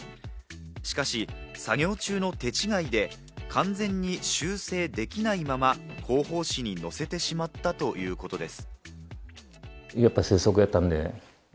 しかし、作業中の手違いで完全に修正できないまま広報誌に載せてしまったということです。